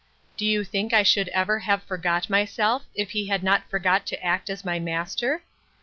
Do you think I should ever have forgot myself, if he had not forgot to act as my master?